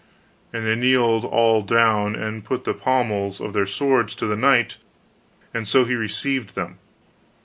And they kneeled all down and put the pommels of their swords to the knight, and so he received them.